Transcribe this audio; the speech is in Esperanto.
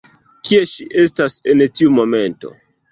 Kie ŝi estas en tiu momento?